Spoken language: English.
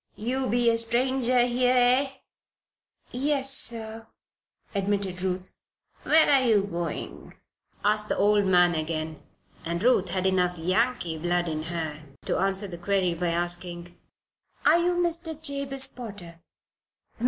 "Yeou be a stranger here, eh?" "Yes, sir," admitted Ruth. "Where are you goin'?" asked the man again, and Ruth had enough Yankee blood in her to answer the query by asking: "Are you Mr. Jabez Potter?"